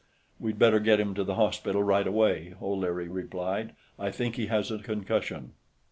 "We'd better get him to the hospital, right away," O'Leary replied. "I think he has a concussion."